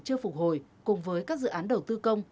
chưa phục hồi cùng với các dự án đầu tư công